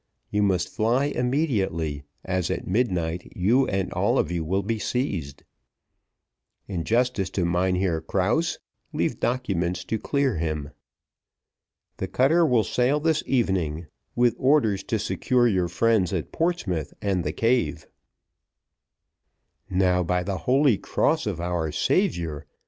You must fly immediately, as at midnight you and all of you will be seized. In justice to Mynheer Krause, leave documents to clear him. "The cutter will sail this evening with orders to secure your friends at Portsmouth and the cave." "Now, by the holy cross of our Saviour!